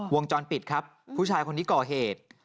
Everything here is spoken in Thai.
วงจรปิดครับผู้ชายคนนี้ก่อเหตุ